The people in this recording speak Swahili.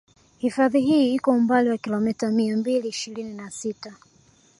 Hifadhi hii iko umbali wa kilometa mia mbili ishirini na sita